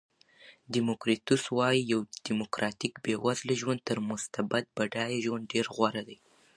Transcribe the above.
دیموکریتوس وایي چې یو دیموکراتیک بېوزله ژوند تر مستبد بډایه ژوند ډېر غوره دی.